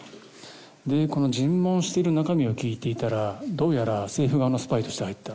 でこの尋問してる中身を聞いていたらどうやら政府側のスパイとして入ったと。